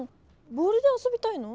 ボールであそびたいの？